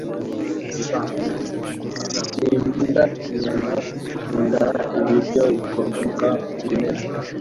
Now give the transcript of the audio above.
S Sinkunda inyama. Nkunda ibiryo bikomoka ku bimera.